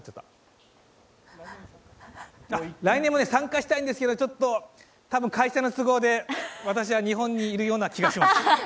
来年も参加したいんですけど、多分会社の都合で私は日本にいるような気がします。